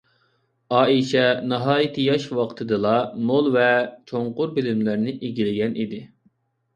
ئائىشە ناھايىتى ياش ۋاقتىدىلا مول ۋە چوڭقۇر بىلىملەرنى ئىگىلىگەن ئىدى.